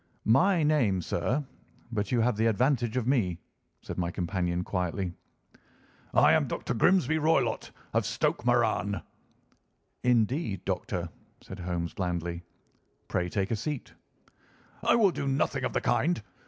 "My name, sir; but you have the advantage of me," said my companion quietly. "I am Dr. Grimesby Roylott, of Stoke Moran." "Indeed, Doctor," said Holmes blandly. "Pray take a seat." "I will do nothing of the kind.